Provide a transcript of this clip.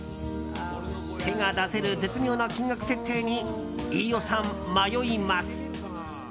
手が出せる絶妙な金額設定に飯尾さん、迷います。